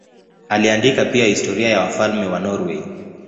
Aliandika pia historia ya wafalme wa Norwei.